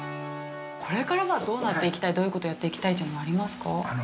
◆これからはどうなっていきたいどういうことをやっていきたいというのは、ありますか？